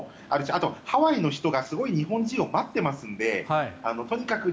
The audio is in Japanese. あとハワイの人がすごい日本人を待っていますのでとにかく